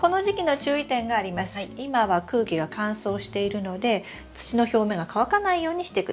今は空気が乾燥しているので土の表面が乾かないようにしてください。